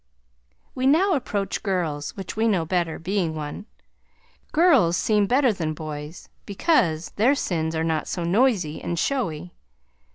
We now approach girls, which we know better, being one. Girls seem better than boys because their sins are not so noisy and showy.